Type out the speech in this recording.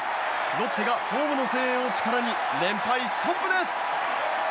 ロッテがホームの声援を力に連敗ストップです！